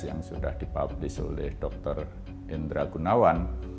yang sudah dipublis oleh dr indra gunawan